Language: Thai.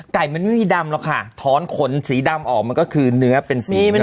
มันไม่มีดำหรอกค่ะถอนขนสีดำออกมันก็คือเนื้อเป็นสี